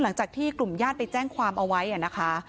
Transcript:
หลังจากที่กลุ่มญาติไปแจ้งความเอาไว้นะคะ